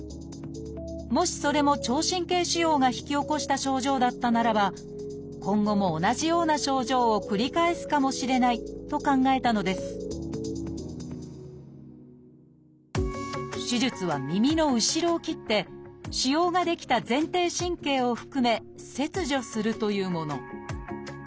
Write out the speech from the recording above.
もしそれも聴神経腫瘍が引き起こした症状だったならば今後も同じような症状を繰り返すかもしれないと考えたのです手術は耳の後ろを切って腫瘍が出来た前庭神経を含め切除するというもの。